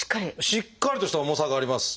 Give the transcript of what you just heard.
しっかりとした重さがあります。